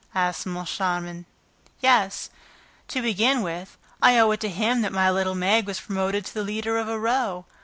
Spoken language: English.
asked Moncharmin. "Yes. To begin with, I owe it to him that my little Meg was promoted to be the leader of a row.